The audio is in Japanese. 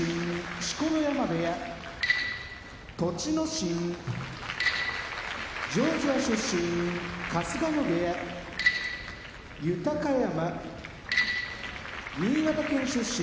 錣山部屋栃ノ心ジョージア出身春日野部屋豊山新潟県出身